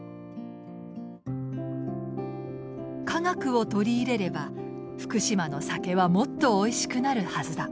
「科学を取り入れれば福島の酒はもっとおいしくなるはずだ」。